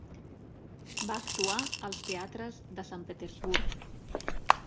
Va actuar als teatres de Sant Petersburg.